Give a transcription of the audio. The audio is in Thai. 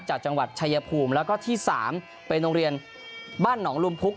จากจังหวัดชายภูมิแล้วก็ที่๓เป็นโรงเรียนบ้านหนองลุมพุก